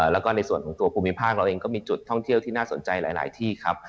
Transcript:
แล้วก็ในส่วนของตัวภูมิภาคเราเองก็มีจุดท่องเที่ยวที่น่าสนใจหลายที่ครับ